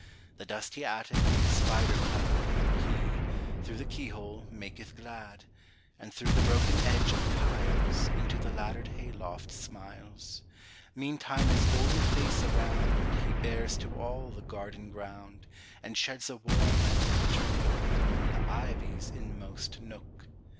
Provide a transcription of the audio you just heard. The dusty attic, spider clad, He, through the keyhole, maketh glad; And through the broken edge of tilesInto the laddered hay loft smiles. Meantime his golden face aroundHe bares to all the garden ground, And sheds a warm and glittering lookAmong the ivy's inmost nook.